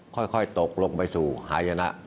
ค่อยตกลงไปสู่หายนะ